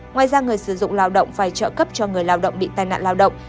ngoài ra người sử dụng lao động phải trợ cấp cho người lao động bị tai nạn lao động